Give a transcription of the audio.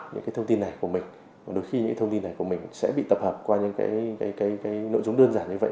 những thông tin này của mình đôi khi những thông tin này của mình sẽ bị tập hợp qua những nội dung đơn giản như vậy